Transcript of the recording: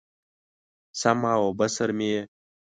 سمع او بصر مې یې